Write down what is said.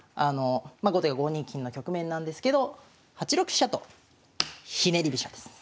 ま後手が５二金の局面なんですけど８六飛車とひねり飛車です。